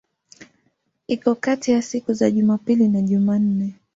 Iko kati ya siku za Jumapili na Jumanne.